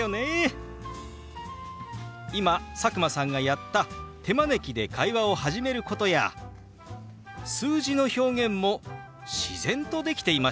今佐久間さんがやった手招きで会話を始めることや数字の表現も自然とできていましたよ。